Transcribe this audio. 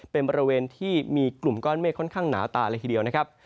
เป็นบริเวณที่มีกลุ่มก้อนเมฆค่อนข้างหนาตาเลยทีเดียวนะครับ